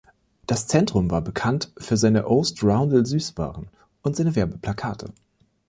Das Zentrum war bekannt für seine Oast-Roundel-Süßwaren und seine Werbeplakate.